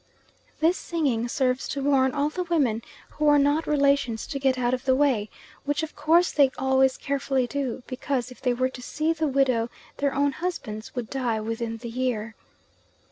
This singing serves to warn all the women who are not relations to get out of the way, which of course they always carefully do, because if they were to see the widow their own husbands would die within the year.